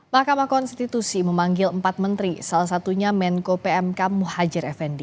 mahkamah konstitusi memanggil empat menteri salah satunya menko pmk muhajir effendi